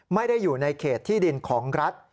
ไม่ได้อยู่ในเขตที่ดินของรัฐ